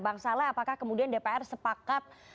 bang saleh apakah kemudian dpr sepakat